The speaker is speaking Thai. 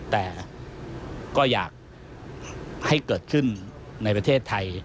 แต่ก็อยากให้เกิดขึ้นในประเทศไทย